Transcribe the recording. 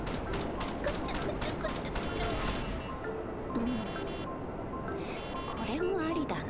うんこれもありだな。